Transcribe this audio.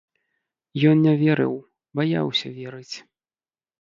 Ён не верыў, баяўся верыць.